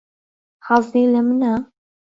حەزی لە منە؟